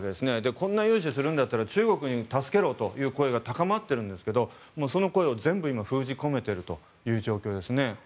こんな融資をするんだったら中国に助けろという声が高まっているんですけどその声を今、全部封じ込めている状況ですね。